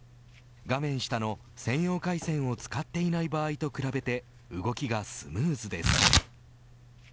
画面下の専用回線を使っていない場合と比べて動きがスムーズです。